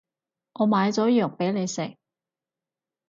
我買咗藥畀你食